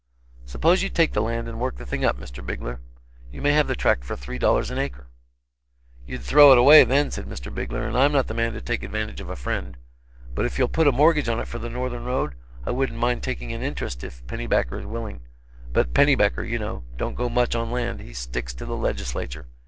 "Suppose you take the land and work the thing up, Mr. Bigler; you may have the tract for three dollars an acre." "You'd throw it away, then," replied Mr. Bigler, "and I'm not the man to take advantage of a friend. But if you'll put a mortgage on it for the northern road, I wouldn't mind taking an interest, if Pennybacker is willing; but Pennybacker, you know, don't go much on land, he sticks to the legislature."